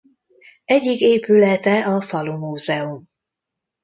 Egyik épülete a Falumúzeum.